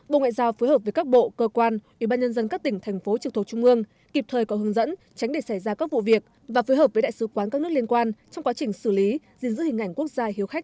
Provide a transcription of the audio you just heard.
bộ ngoại giao phối hợp với các bộ cơ quan ủy ban nhân dân các tỉnh thành phố trực thuộc trung mương